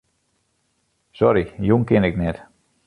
Sorry, jûn kin ik net.